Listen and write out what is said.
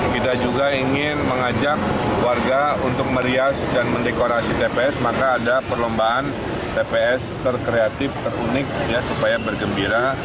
kita juga ingin mengajak warga untuk merias dan mendekorasi tps maka ada perlombaan tps terkreatif terunik supaya bergembira